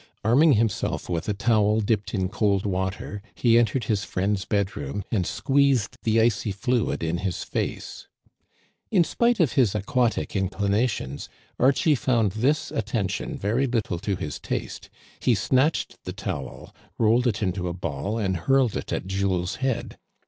Arming himself with a towel dipped in cold water, he entered his friend's bedroom and squeezed the icy fluid in his face. In spite of his aquatic inclinations, Archie found this attention very little to his taste ; he snatched the towel, rolled it into a ball, and hurled it at Jules's head.